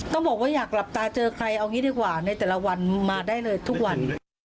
บอกว่าอยากหลับตาเจอใครเอางี้ดีกว่าในแต่ละวันมาได้เลยทุกวัน